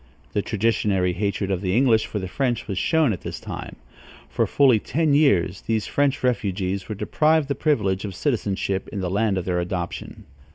The traditionary hatred of the English for the French was shown at this time. For fully ten years these French refugees were deprived the privilege of citizenship in the land of their adoption.